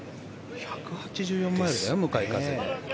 １８４マイルでしたよ向かい風。